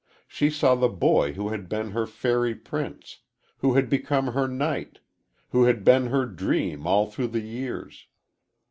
She saw the boy who had been her fairy prince who had become her knight who had been her dream all through the years.